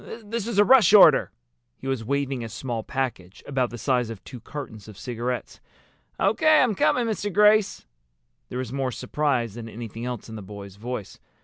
This is a rush order!" He was waving a small package, about the size of two cartons of cigarettes. "O.K. I'm coming, Mr. Grace." There was more surprise than anything else in the boy's voice.